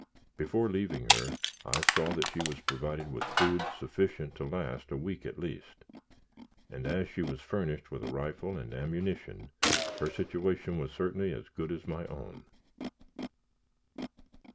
Before leaving her, I saw that she was provided with food sufficient to last a week at least, and as she was furnished with a rifle and ammunition, her situation was certainly as good as my own.